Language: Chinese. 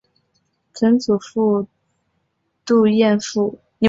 曾祖父杜彦父。